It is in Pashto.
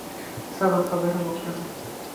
سمه خبره وکړه.